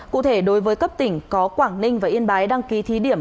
cụ thể đối với cấp tỉnh có quảng ninh và yên bái đăng ký thí điểm